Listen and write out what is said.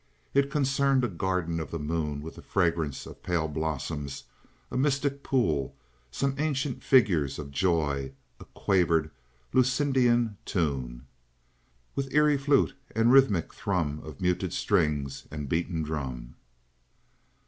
It concerned a garden of the moon with the fragrance of pale blossoms, a mystic pool, some ancient figures of joy, a quavered Lucidian tune. "With eerie flute and rhythmic thrum Of muted strings and beaten drum."